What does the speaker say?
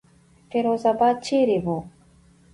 فیروز آباد چېرې وو.